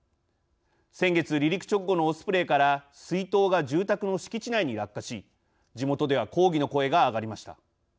先月離陸直後のオスプレイから水筒が住宅の敷地内に落下し地元では抗議の声が上がりました。